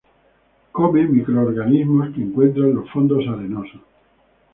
Come microorganismos que encuentra en los fondos arenosos.